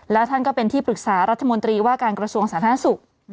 แล้วท่านก็เป็นที่ปรึกษารัฐมนตรีว่าการกระทรวงสาธารณสุข